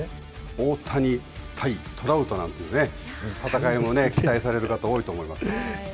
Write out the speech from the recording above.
大谷対トラウトなんていうね、戦いも期待される方多いと思います。